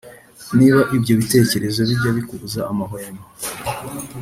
Niba ibyo bitekerezo bijya bikubuza amahwemo